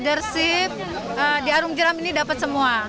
merasa kebersamaan teamwork leadership di arung jeram ini dapat semua